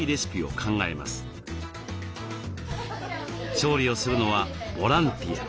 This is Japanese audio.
調理をするのはボランティア。